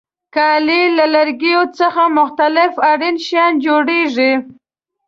کالي له لرګیو څخه مختلف اړین شیان جوړیږي.